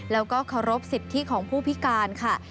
แล้วก็เคารพสิทธิของผู้พิการค่ะ